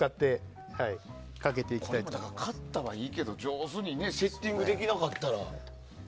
これ、買ったはいいけど上手にセッティングできなかったら。